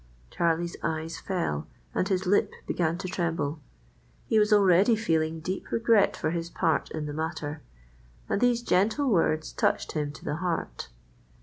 Charlie's eyes fell and his lip began to tremble. He was already feeling deep regret for his part in the matter, and these gentle words touched him to the heart.